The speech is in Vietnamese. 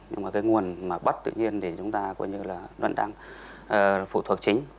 nhưng nguồn bắt tự nhiên thì chúng ta vẫn đang phụ thuộc chính